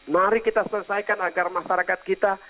mari kita selesaikan agar masyarakat kita